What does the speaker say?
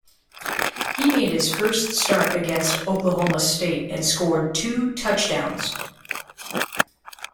He made his first start against Oklahoma State and scored two touchdowns.